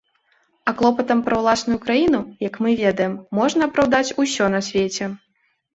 А клопатам пра ўласную краіну, як мы ведаем, можна апраўдаць усё на свеце.